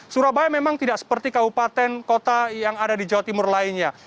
surabaya memang tidak seperti kabupaten kota yang ada di jawa timur lainnya